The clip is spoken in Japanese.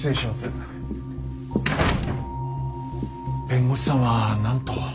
弁護士さんは何と？